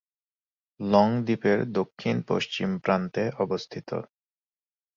Long দ্বীপের দক্ষিণ-পশ্চিম প্রান্তে অবস্থিত।